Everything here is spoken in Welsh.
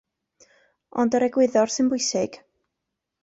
Ond yr egwyddor sy'n bwysig.